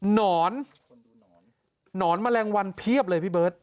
หนอนหนอนแมลงวันเพียบเลยพี่เบิร์ต